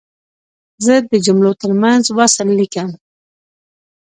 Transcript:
زه د جملو ترمنځ وصل لیکم.